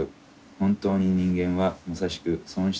本当に人間はまさしく損失の中にある。